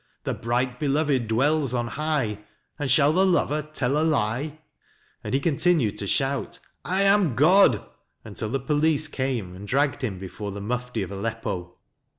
The bright beloved dwells on high, And shall the lover tell a lie? and he continued to shout " I am God " until the police came and dragged him before the Mufti of Aleppo.